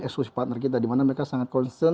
eksklusif partner kita di mana mereka sangat concern